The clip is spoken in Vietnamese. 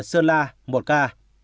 sơn la một ca